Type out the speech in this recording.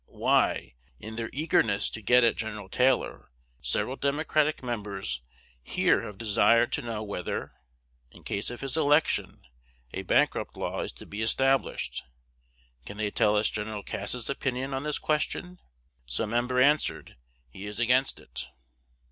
Why, in their eagerness to get at Gen. Taylor, several Democratic members here have desired to know whether, in case of his election, a bankrupt law is to be established. Can they tell us Gen. Cass's opinion on this question? (Some member answered, He is against it.")